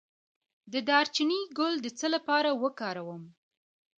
د دارچینی ګل د څه لپاره وکاروم؟